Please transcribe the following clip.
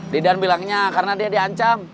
didan bilangnya karena dia diancam